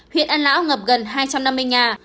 huyện an lão ngập gần hai trăm năm mươi nhà